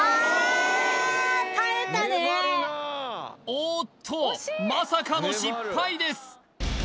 おおっとまさかの失敗です！